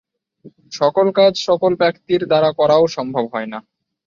সকল কাজ সকল ব্যক্তির দ্বারা করাও সম্ভব হয় না।